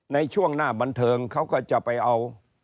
ในช่วงหน้าบันเทิงเขาก็จะไปเอา